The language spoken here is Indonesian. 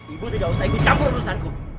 ibu tidak usah ikut campur urusanku